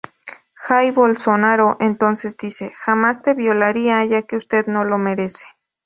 Jair Bolsonaro entonces dice: ""Jamás te violaría, ya que usted no lo merece"".